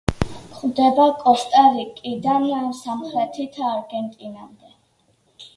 გვხვდება კოსტა-რიკიდან სამხრეთით არგენტინამდე.